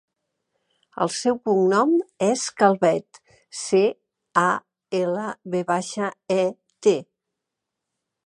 El seu cognom és Calvet: ce, a, ela, ve baixa, e, te.